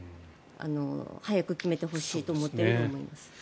早く決めてほしいと思っていると思います。